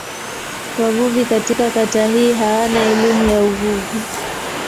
Wavuvi katika kata hii hawana elimu ya uvuvi.